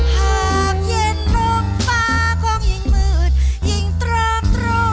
หากเย็นมองฟ้าคงยิ่งมืดยิ่งตรง